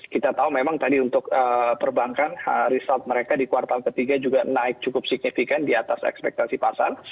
kita tahu memang tadi untuk perbankan result mereka di kuartal ketiga juga naik cukup signifikan di atas ekspektasi pasar